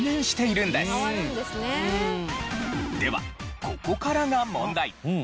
ではここからが問題。